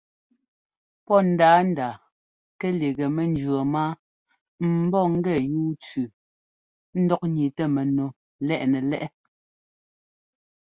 Pɔ́ ndǎandǎa kɛ lígɛ mɛnjʉ̈ɔɔ máa m bɔ́ gɛ yúu tsʉʉ ńdɔk ńniitɛ mɛnu lɛꞌ nɛ lɛʼ.